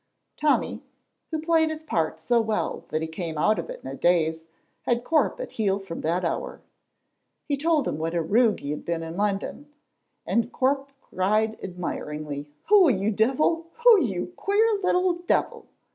Tommy, who played his part so well that he came out of it in a daze, had Corp at heel from that hour. He told him what a rogue he had been in London, and Corp cried admiringly, "Oh, you deevil! oh, you queer little deevil!"